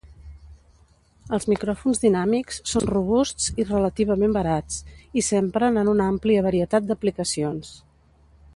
Els micròfons dinàmics són robusts i relativament barats, i s'empren en una àmplia varietat d'aplicacions.